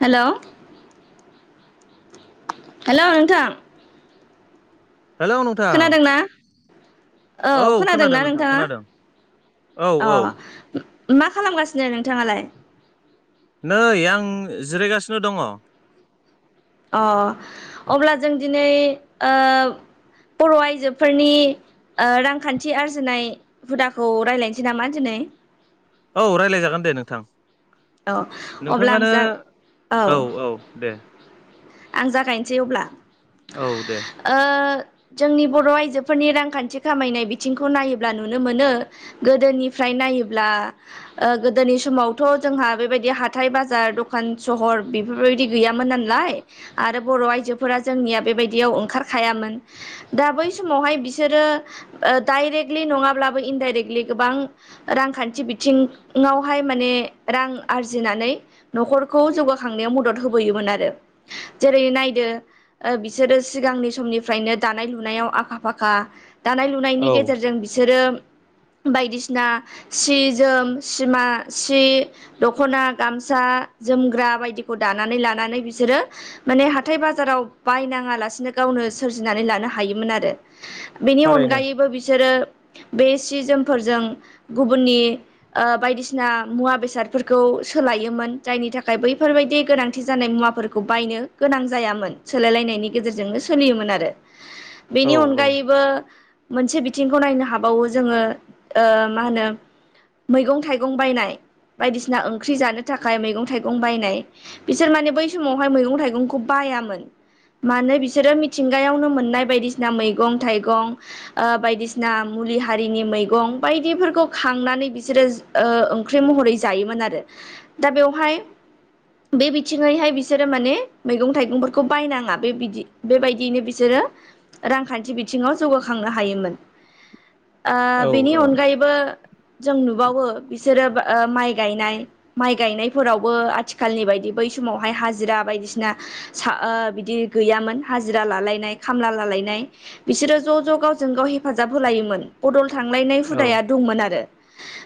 हेल'। Hello नोंथां hello नोंथां खोनादोंना औ खोनादों खोनादोंना नोंथां नोंथाङा? खोनादों औ औ अ मा खालामगासिनो नोंथाङालाय? नै आं जिरायगासिनो दङ। अ अब्ला जों दिनै ओ बर' आइजोफोरनि रांखान्थि आरजिनाय हुदाखौ रायज्लायनोसै नामा दिनै? [inaudible] औ रायज्लायजागोन दे नोंथां। औ अब्ला आं नोंथाङानो जा औ औ-औ दे आं जागायनोसै अब्ला औ दे ओ जोंनि बर' आइजोफोरनि रांखान्थि खामायनाय बिथिंखौ नायोब्ला नुनो मोनो गोदोनिफ्राय नायोब्ला गोदोनि समावथ' जोंहा बेबायदि हाथाइ बाजार दखान सहर बेफोरबायदि गैयामोन नालाय? आरो बर' आइजोफोरा जोंनिया बेबायदियाव ओंखारखायामोन दा बै समावहाय बिसोरो डाइरेक्टलि नङाब्लाबो इनडाइरेक्टलि गोबां रांखान्थि बिथिङाव बेहाय माने रां आरजिनानै न'खरखौ जौगाखांनायाव मदद होबोयोमोन आरो जेरै नायदो? बिसोरो सिगांनि समनिफ्रायनो दानाय लुनायाव आखा फाखा दानाय लुनायनि औ गेजेरजों बिसोरो बायदिसिना सि जोम सिमा सि दखना गामसा जोमग्रा बायदिखौ दानानै लानानै बिसोरो माने हाथाय बाजाराव बायनाङा लासिनो गावनो सोरजिनानै लानो हायोमोन आरो बेनि थारैनो अनगायैबो बिसोरो बे सि जोमफोरजों गुबुननि बायदिसिना मुवा बेसादफोरखौ सोलायोमोन? जायनि थाखाय बैफोरबायदि गोनांथि जानाय मुवाफोर खौ बायनो गोनां जायामोन सोलायलायनायनि गेजेरजोंनो सोलियोमोन आरो औ बेनि औ अनगायैबो मोनसे बिथिंखौ नायनो हाबावो जोङो ओ मा होनो मैगं थाइगं बायनाय बायदिसिना ओंख्रि जानो थाखाय मैगं थाइगं बायनाय बिसोर माने बै समावहाय मैगं थाइगंखौ बायामोन मानो बिसोरो मिथिंगायावनो मोननाय बायदिसिना मैगं थाइगं ओ बायदिसिना मु मुलि हारिनि मैगं बायदिफोरखौ खांनानै बिसोरो जो ओ ओंख्रि महरै जायोमोन आरो दा बेवहाय बे बिथिङै‌ बिसोरो बिसोरो माने मैगं थाइगंफोरखौ बायनाङा बे बिदि बेबायदियैनो बिसोरो रांखान्थि बिथिङाव जौगाखांनो हायोमोन। ओ औ बेनि औ अनगायैबो जों नुबावो बिसोरो माइ गायनाय माइ गायनायफोरावबो आथिखालनि बायदि बै समावहाय हाजि जिरा बायदिसिना सा ओ गैयामोन हाजिरा लालायनाय खामला लालायनाय बिसोरो ज ज गावजों गाव हेफाजाब होलायोमोन बदल थांलायनाय औ हुदाया दंमोन आरो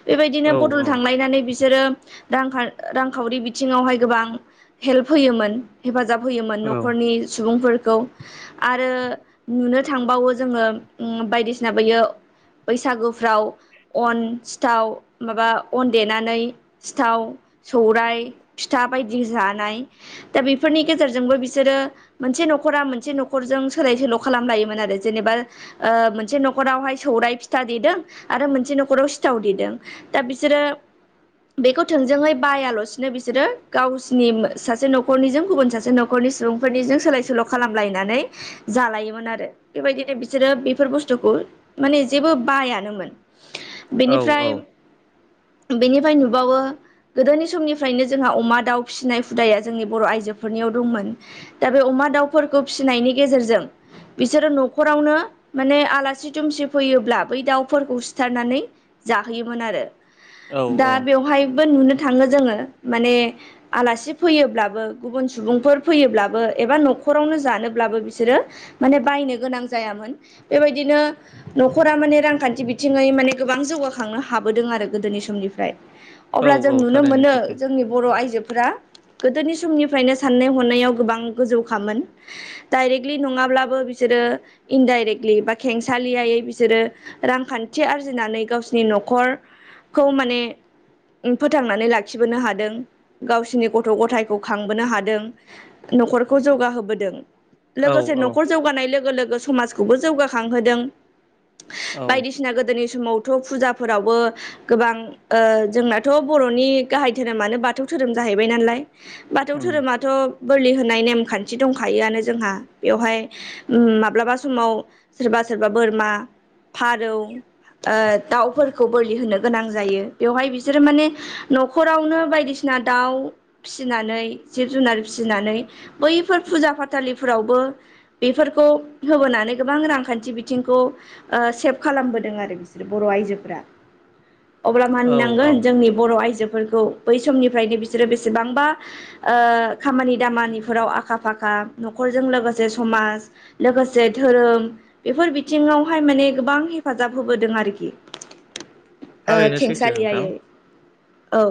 बेबायदिनो औ बदल थांलायनानै बिसोरो रां खा रांखावरि बिथिङावहाय गोबां हेल्प होयोमोन हेफाजाब होयोमोन औ नखरनि सुबुंफोरखौ खौ आरो नुनो थांबावो जोङो उम बायदिसिना बोयो बैसागुफ्राव अन सिथाव माबा अन देनानै सिथाव सौराइ फिथा बायदि जानाय दा बेफोरनि गेजेरजोंबो बिसोरो मोनसे नखरा मोनसे नखरजों सोलाय सोल खालामलायोमोन आरो आरो ओ जेनेबा मोनसे नखरावहाय सौराइ फिथा देदों आरो मोनसे नखराव सिथाव देदों दा बिसोरो बेखौ थोंजोङै बायालसिनो बिसोरो गावसिनि सासे नखरनिजों गुबुन सासे नखरनि सुबुंफोरनिजों सोलाय सोल खालामलायनानै जालायोमोन आरो बेबायदिनो बिसोरो बेफोर बुस्थुखौ माने जेबो बायानोमोन औ बेनिफ्राय औ बेनिफ्राय नुबावो गोदोनि समनिफ्रायनो जोंहा अमा दाउ फिसिनाय फोरखौ हुदाया जोंनि बर आइजोफोरनियाव दंमोन दा बे अमा दाउफोरखौ फिसिनायनि गेजेरजों बिसोरो नखरावनो माने आलासि दुमसि फैयोब्ला बै दाउफोरखौ सिथारनानै जाहोयोमोन आरो औ दा बेवहायबो नुनो थाङो जोङो माने आलासि फै फैयोब्लाबो गुबुन सुबुंफोर फैयोब्लाबो एबा नखरावनो जानोब्लाबो बिसोरो माने बाय नायनो गोनां जोन बेबायदिनो नखरा माने रांखान्थि बिथिङै माने गोबां जौगाखांनानै हाबोदों आरो गोदोनि समनिफ्राय औ अब्ला जों औ नुनो थारैनो मोनो सैथो जोंनि बर आइजोफोरा गोदोनि समनिफ्रायनो साननाय हनायाव गोबां गोजौखामोन डाइरेक्टलि नङाब्लाबो बिसोर बिसोरो इनडाइरेक्लि बा खेंसालियायै बिसोरो रांखान्थि आरजिनानै गावसिनि नख नखर खौ माने फोथांनानै लाखिनोनो हादों गावसिनि गथ गथ गथायखौ खांबोनो हादों नखरखौ जौगाहोबोदों औ लोगोसे औ नखर जौगानाय लोगो लोगो समाजखौबो जौगाखांहोदों औ बायदिसिना गोदोनि समावथ फुजाफोरावबो गोबां‌ ओ जोंनाथ बरनि गाहाय धोरोमानो बाथौ धोरोम जाहैबाय नालाय बाथौ उम धोरोमाथ बोलि होनाय नेमखान्थि दंखायोआनो जोंहा बेवहाय माब्लाबा उम समाव सोरबा सोरबा सोरबा बोरमा फारौ ओ दाउफोरखौ बोलि होनो गोनां जायो बेवहाय बिसोरो माने नखरावनो बायदिसिना सिना दाउ फिसिनानै जिब जुनार फिसिनानै बैफोर फुजा फाथालिफोरावबो बेफोरखौ खौ होबोनानै गोबां रांखान्थि बिथिंखौ ओ सेभ खालामबोदों आरो बिसोरो बर आइजोफोरा अब्ला औ औ मानिनांगोन जोंनि बर आइजोफोरखौ बै समनिफ्रायनो बिसोरो बेसे बेसेबांबा ओ खामानि दामानिफोराव आखा फाखा न'खरजों लोगोसे समाज। लोगोसे धोरोम बेफोर बिथिङावहाय माने गोबां हेफाजाब होबोदों आरोखि। ओ थारैनो सैथो नोंथां खेंसालियायै औ।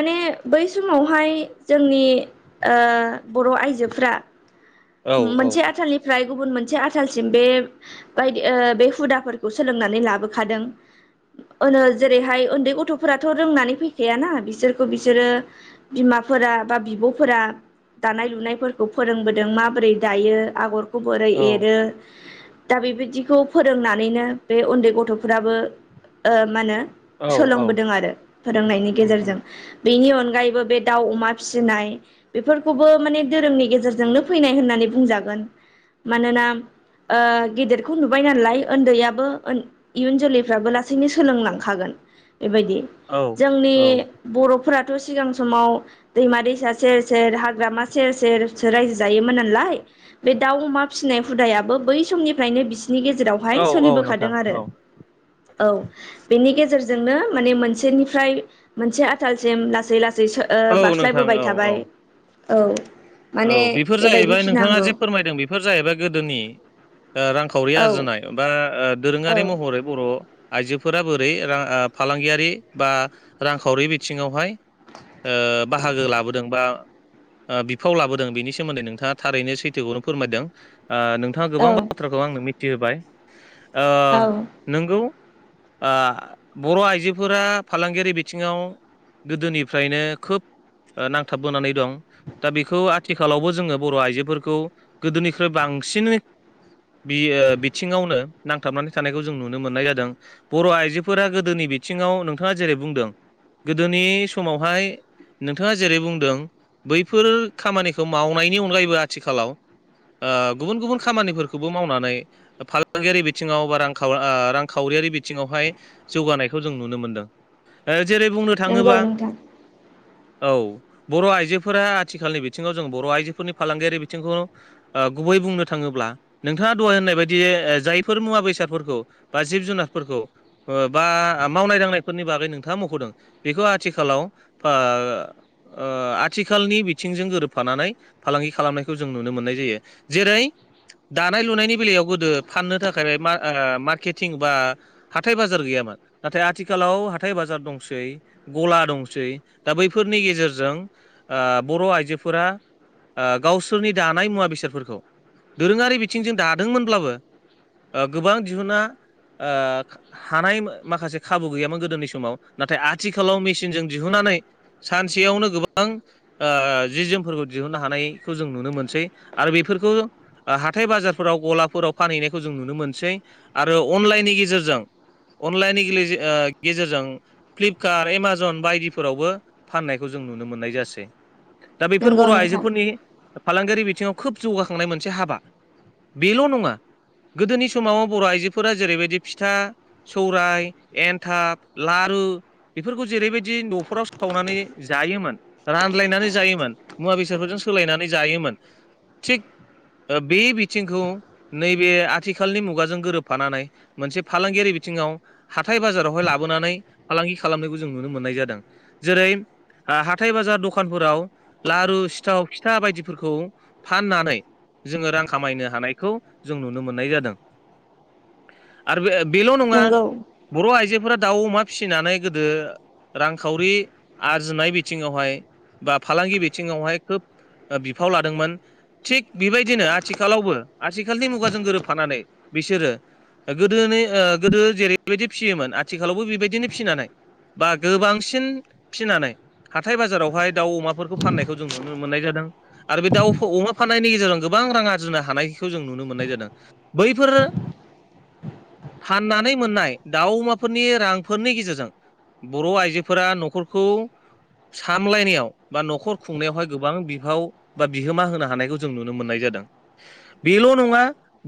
माने बै समावहाय जोंनि ओ बर' आइजोफ्रा। औ औ मोनसे आथालनिफ्राय। गुबुन मोनसे आथालसिम बे बायदि ओ बे हुदाफोरखौ सोलोंनानै लाबोखादों। ओनो जेरैहाय उन्दै गथ'फोराथ' रोंनानै फैखायाना बिसोरखौ बिसोरो बिमा। फोरा बा बिब'फोरा दानाय लुनायफोरखौ फोरोंबोदों मा। बोरै दायो आगरखौ बोरै औ एरो। दा बेबादिखौ फोरोंनानैनो बे उन्दै गथ'फोराबो ओ मा होनो। औ औ सोलोंबोदों आरो फोरोंनायनि उम उम गेजेरजों। बेनि अनगायैबो बे दाउ अमा फिसिनाय बेफोरखौबो माने धोरोमनि गेजेरजोंनो। फैनाय होननानै बुंजागोन मानोना। ओ गेदेरखौ नुबाय नालाय ओन्दैयाबो इयुन जोलैफ्राबो लासैनो सोलोंलांखागोन। बेबायदि औ जोंनि औ बर'फोरा। थ' सिगां समाव दैमा दैसा सेर सेर हाग्रामा सेर सेर सो रायजो। दायोमोन नालाय बे दाउ अमा फिनाय हुदायाबो बै समनिफ्रायनो बि। गेजेरावहाय औ औ सोलिबोदों नोंथां आरो औ औ बेनि गेजेर। जोंनो माने मोनसेनिफ्राय मोनसे आथालसिम लासै लासै। [unintelligible] ओ औ नोंथां बारस्लायबोबाय औ थाबाय औ औ औ माने। बेफोर बेबायदि जाहैबाय नोंथाङा फिनांगौ जे फोरमायदों बेफोर जाहैबाय गोदोनि ओ रां। खावरि औ आरजिनाय बा औ दोरोङारि महरै बर'। आइजोफोरा बोरै रां ओ फालांगियारि बा रांखावरि बिथिङावहाय। ओ बाहागो लाबोदों बा ओ। फाव लाबोदों बेनि सोमोन्दै नोंथाङा थारैनो सैथोखौनो फोरमायदों ओ नोंथाङा औ गोबां बाथ्राखौ आंनो मि। थि होबाय ओ औ नोंगौ। ओ बर' आइजोफोरा फालांगियारि बिथिङाव। गोदोनिफ्रायनो खोब ओ नांथाबबोनानै दं। दा बेखौ आथिखालावबो जोङो बर' आइजोफोरखौ गोदोनिख्रुइ बांसिनै। बियो बिथिङावनो नांथाबनानै थानायखौ जों नुनो मोननाय जादों बर' आइजोफोरा गोदोनि। बिथिङाव नोंथाङा जेरै बुंदों। गोदोनि समावहाय नोंथाङा जेरै बुंदों बै। फोर खामानिखौ मावनायनि अनगायैबो आथिखालाव। ओ गुबुन गुबुन खामानिफोरखौबो मावनानै फालांगियारि बिथिङाव बा रां रांखावरि। खावरि बिथिं आव हाय जौगानायखौ जों नुनो मोनदों। जेरै बुंनो नंगौ थाङोबा नोंथां औ बर' आइजो। फोरा आथिखालनि बिथिङाव जों बर' आइजोफोरनि फालांगियारि बिथिंखौ ओ गुबै बुंनो थाङोब्ला नोंथां। थाङा दहाय होननाय बायदि जायफोर मुवा बेसादफोरखौ बा जिब जुनारफोरखौ ओ बा माव। नाय दानायफोरनि बागै नोंथाङा मख'दों बेखौ आथिखालाव ओ-ओ। थिखालनि बिथिंजों गोरोबफानानै फालांगि खालामनायखौ जों नुनो मोननाय जायो जेरै। दानाय लुनायनि बेलायाव गोदो फाननो थाखाय ओ मार्केटिं बा हाथाय बाजार गैया। नाथाय आथिखालाव हाथाय बाजार दंसै गला दंसै दा बैफोरनि गेजेरजों। ओ बर' आइजोफोरा। ओ गावसोरनि दानाय मुवा बेसादफोरखौ दोरोङारि बिथिंजों दादोंमोनब्लाबो। ओ गोबां दिहुना। ओ हानाय माखासे खाबु गैयामोन गोदोनि समाव नाथाय आथिखालाव मेसिनजों दिहुना। नानै सानसेयावनो गोबां। बां ओ जि जोमफोरखौ दिहुननो हानायखौ जों नुनो मोनसै आरो बेफोरखौ। हाथाय बाजारफोराव गलाफोराव फानहैनायखौ जों नुनो मोनसै आरो अनलाइननि गेजेरजों। अनलाइननि गौलि गेजेरजों फ्लिपकार्ट एमाजन बायदिफोरावबो फाननायखौ जों नु। नुनो मोननाय जासै दा बेफोर नंगौ बर' नोंथां आइजोफोरनि फालांगियारि बिथिङाव खोब जौगाखांनाय मोनसे हाबा बेल' नङा गोदोनि समाव बर' आइजोफोरा जेरैबायदि फिथा सौराय एन्थाब लाथ आरो बेफोरखौ जेरैबायदि न'फोराव सिथावनानै जायोमोन रानलायनानै जायोमोन मुवा बेसादफोरजों सोलायनानै जायोमोन थिग बे बिथिंखौ नैबे आथिखालनि मुगाजों गोरोबफानानै मोनसे फालांगियारि बिथिंआव हाथाय बाजारावहाय लाबोनानै फालांगि खालामनायखौ जों नुनो मोननाय जादों जेरै आ हा हाथाय बाजार दखानफोराव लारु सिथाव फिथा बायदिफोरखौ फाननानै जोङो रां खामायनो हानायखौ जों नुनो मोननाय जादों आरो बे बेल' नङा नंगौ बर' आइजोफोरा दाउ अमा फिसिनानै गोदो रांखावरि आरजिनाय बि बिथिङावहाय बा फालांगि बिथिङावहाय खोब बिफाव लादोंमोन थिग बेबायदिनो आथिखालावबो आथिखालनि मुगाजों गोरोबफानानै बिसोरो गोदोनि गोदो जेरैबायदि फिसियोमोन आथिखालावबो बेबायदिनो फिसिनानै बा गोबांसिन फिनानै हाथाय बाजारावहाय दाउ अमाफोरखौ फाननायखौ जों नुनो मोननाय जादों आरो बे दाउ अमा फाननायनि गेजेरजों गोबां रां आरजनो हानायखौ जों नुनो मोननाय जादों बैफोर [unintelligible] फाननानै मोननाय दाउ अमाफोरनि रांफोरनि गेजेरजों बर' आइजोफोरा न'खरखौ सामलायनायाव बा न'खर खुंनायावहाय गोबां बिफाव बा बिहोमा होनो हानायखौ जों नुनो मोननाय जादों बेल' नङा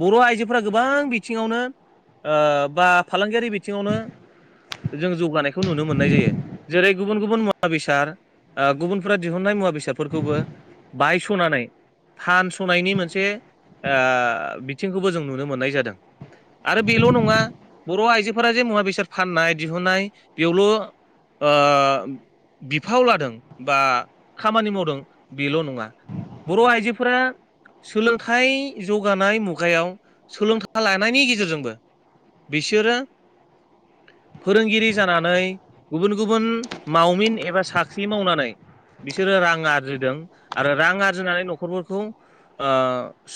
बर' आइजोफोरा गोबां बिथिङावनो बा फालांगियारि बिथिङावनो जों जौगानायखौ नुनो मोननाय जायो जेरै गुबुन गुबुन [unintelligible] सार गुबुनफोरा दिहुननाय मुवा बेसादफोरखौबो बायस'नानै फानस'नायनि मोनसे बिथिंखौबो जों नुनो मोननाय जादों। आरो बेल' नङा बर' आइजोफोरा जे मुवा बेसाद फाननाय दिहुननाय बेयावल' ओ बिफाव लादों बा खामानि मावदों बेल' नङा। बर' आइजोफोरा सोलोंथाइ जौगानाय मुगायाव सोलोंथाइ लानायनि गेजेरजोंबो बिसोरो फोरोंगिरि जानानै गुबुन गुबुन मावमिन एबा साख्रि मावनानै बिसोरो रां आरजिदों आरो रां आरजिनानै न'खरफोरखौ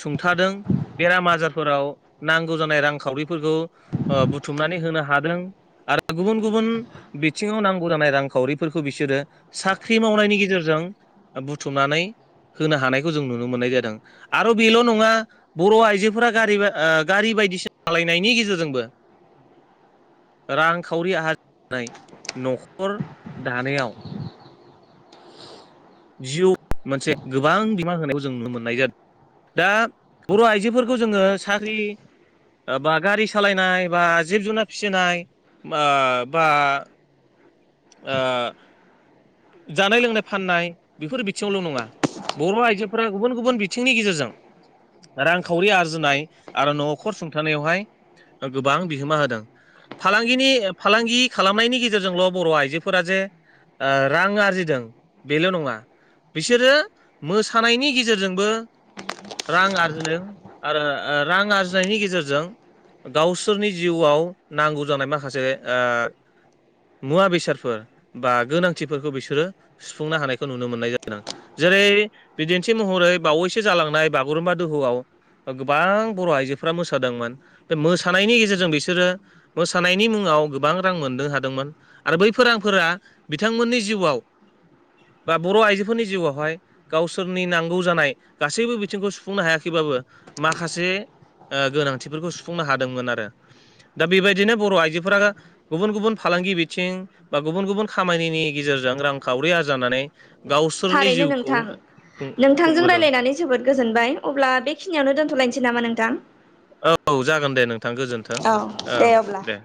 सुंथादों बेराम आजारफोराव नांगौ जानाय रांखावरिफोरखौ बुथुमनानै होनो हादों आरो गुबुन गुबुन बिथिङाव नांगौ जानाय रांखावरि फोरखौ बिसोरो साख्रि मावनायनि गेजेरजों बुथुमनानै होनो हानायखौ जों नुनो मोननाय जादों आरो बेल' नङा बर' आइजोफोरा गारि गारि बायदिसिना सालायनायनि गेजेरजोंबो [inaudible] रांखावरि [unintelligible] न'खर दानायाव जिउ मोनसे गोबां [unintelligible] होनायाव जों नुनो मोननाय जादों। दा बर' आइजोफोरखौ जोङो साख्रि बा गारि सालायनाय बा जिब जुनार फिसिनाय बा जानाय लोंनाय फाननाय बेफोर बिथिङावल' नङा बर' आइजोफोरा गुबुन गुबुन बिथिंनि गेजेरजों रांखावरि आरजिनाय आरो न'खर सुंथानायावहाय गोबां बिहोमा होदों फालांगिनि फालांगि खालामनायनि गेजेरजोंल' बर' आइजोफोरा जे रां आरजिदों बेल' नंङा बिसोरो मोसानायनि गेजेरजोंबो रां आरजिनो आरो रां आरजिनायनि गेजेरजों गावसोरनि जिउआव नांगौ जानाय माखासे मुवा बेसादफोर बा गोनांथिफोरखौ बिसोरो सुफुंनो हानायखौ नुनो मोननाय जादों जेरै बिदिन्थि महरै बावैसो जालांनाय बागुरुम्बा दोहौआव गोबां बर' आइजोफोरा मोसादोंमोन बे मोसानायनि गेजेरजों बिसोरो मोसानायनि मुङाव गोबां रां मोनदों हादोंमोन आरो बैफोरांफोरा बिथांमोननि जिउआव बा बर' आइजोफोरनि जिउआवहाय गावसोरनि नांगौ जानाय गासैबो बिथिंखौ सुफुंनो हाया खैबाबो माखासे गोनांथिफोरखौ सुफुंनो हादोंमोन आरो दा बेबायदिनो बर' आइजोफोरा गुबुन गुबुन फालांगि बि थिं बा गुबुन गुबुन खामानिनि गेजेरजों रांखावरि आरजानानै गावसोरनि थारैनो जिउखौ नोंथां खुं नोंथांजों खुंबोदों रायज्लायनानै जोबोद गोजोनबाय अब्ला बेखिनियावनो दोनथ'लाय सै नामा नोंथां? औ जागोन दे नोंथां गोजोन्थों औ दे।